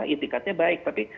itikatnya baik tapi